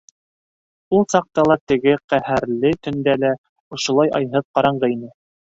Ул саҡта ла... теге ҡәһәрле төндә лә... ошолай айһыҙ ҡараңғы ине.